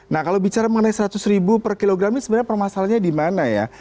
nah kalau bicara mengenai seratus ribu per kilogram ini sebenarnya permasalahannya di mana ya